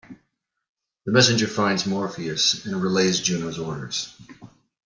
The messenger finds Morpheus and relays Juno's orders.